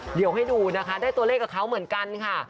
เดี๋ยวให้ดูนะคะได้ตัวเลขกับเขาเหมือนกันค่ะ